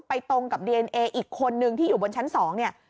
ตรงกับดีเอนเออีกคนนึงที่อยู่บนชั้น๒เนี่ย